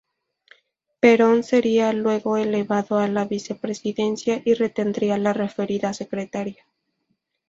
Perón sería luego elevado a la vicepresidencia, y retendría la referida secretaría.